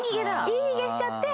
言い逃げしちゃって。